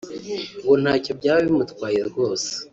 ngo ntacyo byaba bimutwaye rwose